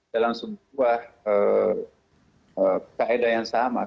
dalam sebuah kaedah yang sama